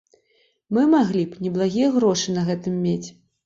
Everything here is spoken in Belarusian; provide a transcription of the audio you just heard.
Мы маглі б неблагія грошы на гэтым мець.